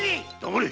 黙れ！